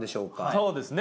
そうですね。